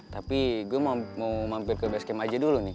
tapi gue mau mampir ke basecamp aja dulu nih